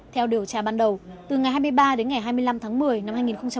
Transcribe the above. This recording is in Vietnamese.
theo điều tra ban đầu từ ngày hai mươi ba đến ngày hai mươi năm tháng một mươi năm hai nghìn một mươi chín